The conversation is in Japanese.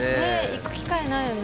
行く機会ないよね